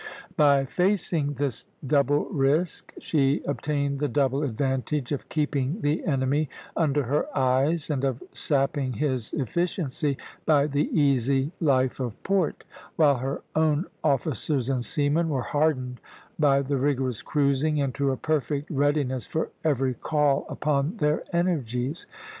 By facing this double risk she obtained the double advantage of keeping the enemy under her eyes, and of sapping his efficiency by the easy life of port, while her own officers and seamen were hardened by the rigorous cruising into a perfect readiness for every call upon their energies.